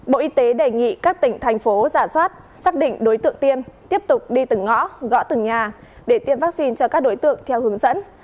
bộ y tế đề nghị các tỉnh thành phố giả soát xác định đối tượng tiêm tiếp tục đi từng ngõ gõ từng nhà để tiêm vaccine cho các đối tượng theo hướng dẫn